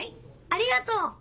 ありがとう！